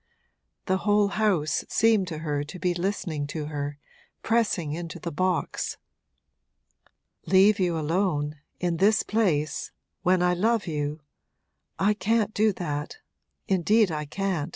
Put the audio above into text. The whole house seemed to her to be listening to her, pressing into the box. 'Leave you alone in this place when I love you? I can't do that indeed I can't.'